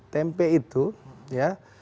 tempe itu ya